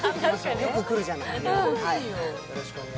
よく来るじゃない。